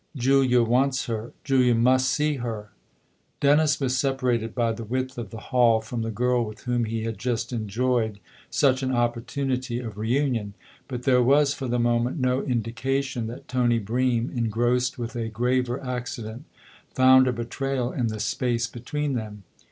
Julia wants her Julia must see her !" Dennis was separated by the width of the hall from the girl with whom he had just enjoyed such an opportunity of reunion, but there was for the moment no indication that Tony Bream, engrossed with a graver accident, found a betrayal in the space between them.